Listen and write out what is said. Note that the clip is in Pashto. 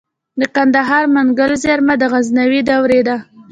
د کندهار منگل زیرمه د غزنوي دورې ده